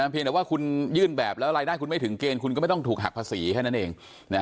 เพียงแต่ว่าคุณยื่นแบบแล้วรายได้คุณไม่ถึงเกณฑ์คุณก็ไม่ต้องถูกหักภาษีแค่นั้นเอง